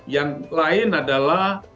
yang lain adalah